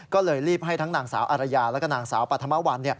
ก็เลยรีบให้ทั้งนางสาวอารยาแล้วก็นางสาวปัธมวัล